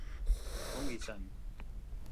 Ongi izan.